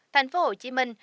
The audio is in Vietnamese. thành phố hồ chí minh